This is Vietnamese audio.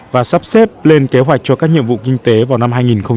và sắp xếp lên kế hoạch cho các nhiệm vụ kinh tế vào năm hai nghìn một mươi tám